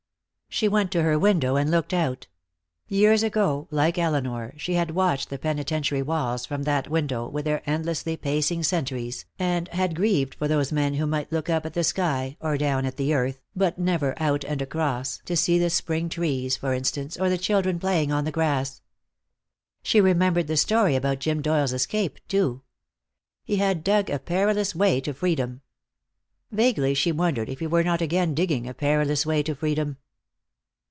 She went to her window and looked out. Years ago, like Elinor, she had watched the penitentiary walls from that window, with their endlessly pacing sentries, and had grieved for those men who might look up at the sky, or down at the earth, but never out and across, to see the spring trees, for instance, or the children playing on the grass. She remembered the story about Jim Doyle's escape, too. He had dug a perilous way to freedom. Vaguely she wondered if he were not again digging a perilous way to freedom.